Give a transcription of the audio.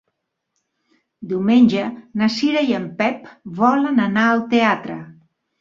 Diumenge na Cira i en Pep volen anar al teatre.